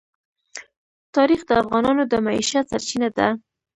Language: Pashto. تاریخ د افغانانو د معیشت سرچینه ده.